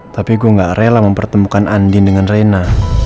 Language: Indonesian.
tapi gue nggak rela mempertemukan andin dengan rena